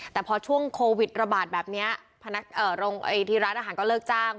แต่พอช่วงโควิดระบาดแบบนี้ที่ร้านอาหารก็เลิกจ้าง